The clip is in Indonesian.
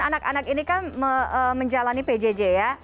anak anak ini kan menjalani pjj ya